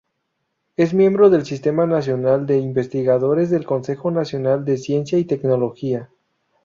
Es miembro del Sistema Nacional de Investigadores del Consejo Nacional de Ciencia y Tecnología.